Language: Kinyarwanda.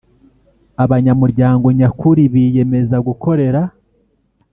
Abanyamuryango nyakuri biyemeza gukorera